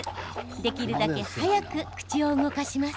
できるだけ早く口を動かします。